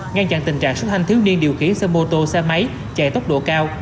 ngăn chặn tình trạng xuất hành thiếu niên điều khiển xe mô tô xe máy chạy tốc độ cao